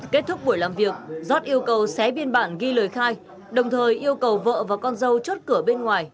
kết thúc buổi làm việc giót yêu cầu xé biên bản ghi lời khai đồng thời yêu cầu vợ và con dâu chốt cửa bên ngoài